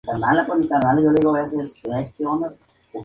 Era canónigo en Colonia y Estrasburgo.